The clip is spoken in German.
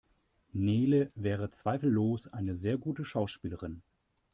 Nele wäre zweifellos eine sehr gute Schauspielerin.